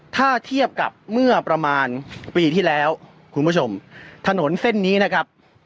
ถ้าเทียบกับเมื่อประมาณปีที่แล้วคุณผู้ชมถนนเส้นนี้นะครับ